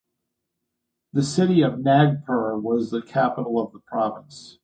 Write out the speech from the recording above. The city of Nagpur was the capital of the province.